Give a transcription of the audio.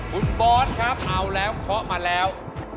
คุณบอสครับเอาแล้วเคาะมาแล้ว